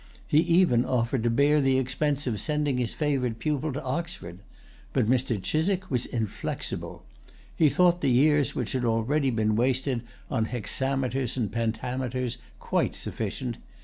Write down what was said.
He even[Pg 119] offered to bear the expense of sending his favorite pupil to Oxford. But Mr. Chiswick was inflexible. He thought the years which had already been wasted on hexameters and pentameters quite sufficient.